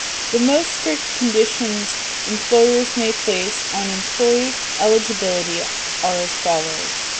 The most strict conditions employers may place on employee eligibility are as follows.